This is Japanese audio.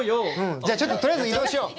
じゃあ、ちょっととりあえず移動しよう。